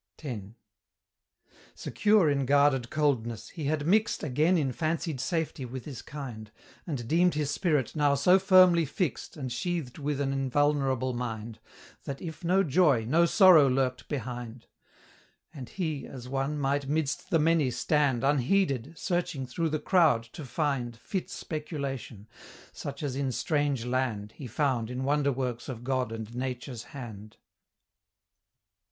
X. Secure in guarded coldness, he had mixed Again in fancied safety with his kind, And deemed his spirit now so firmly fixed And sheathed with an invulnerable mind, That, if no joy, no sorrow lurked behind; And he, as one, might midst the many stand Unheeded, searching through the crowd to find Fit speculation; such as in strange land He found in wonder works of God and Nature's hand.